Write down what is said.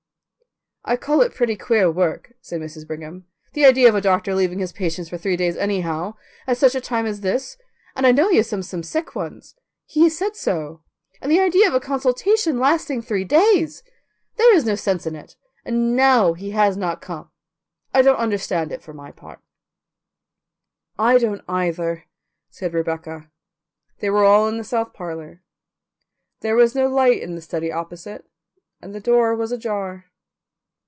"I call it pretty queer work," said Mrs. Brigham. "The idea of a doctor leaving his patients for three days anyhow, at such a time as this, and I know he has some very sick ones; he said so. And the idea of a consultation lasting three days! There is no sense in it, and NOW he has not come. I don't understand it, for my part." "I don't either," said Rebecca. They were all in the south parlour. There was no light in the study opposite, and the door was ajar.